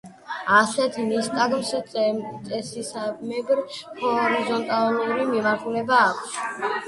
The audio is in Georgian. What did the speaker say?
ასეთ ნისტაგმს, წესისამებრ, ჰორიზონტალური მიმართულება აქვს.